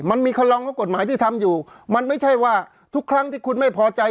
มันมีคำลองของกฎหมายที่ทำอยู่มันไม่ใช่ว่าทุกครั้งที่คุณไม่พอใจ